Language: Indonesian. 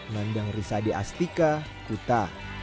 mandang risade astika kuta